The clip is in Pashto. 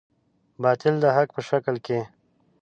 باطل د حق په شکل کې.